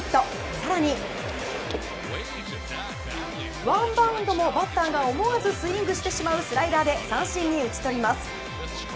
更に、ワンバウンドもバッターが思わずスイングしてしまうスライダーで三振に打ち取ります。